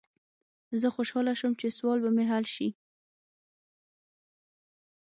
زه خوشحاله شوم چې سوال به مې حل شي.